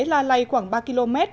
la lây khoảng ba km